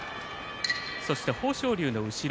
そして豊昇龍の後ろ